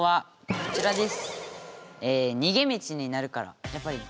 こちらです。